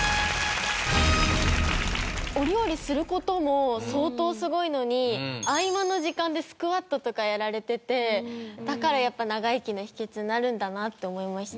お料理する事も相当すごいのに合間の時間でスクワットとかやられててだからやっぱり長生きの秘訣になるんだなと思いました。